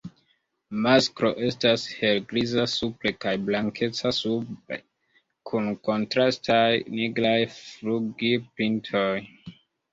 Masklo estas helgriza supre kaj blankeca sube, kun kontrastaj nigraj flugilpintoj.